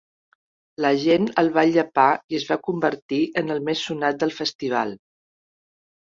La gent el va llepar i es va convertir en el més sonat del festival.